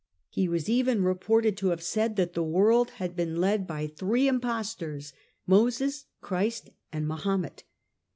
He was even reported to have said that the world had been led away by three impostors Moses, Christ and Mahomet.